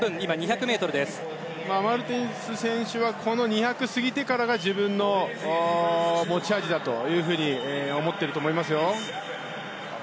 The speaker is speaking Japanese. マルテンス選手はこの２００を過ぎてからが自分の持ち味だというふうに思っていると思いますよ。